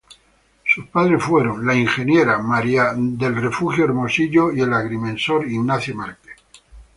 Sus padres fueron Agrimensor Ignacio Márquez y María del Refugio Hermosillo.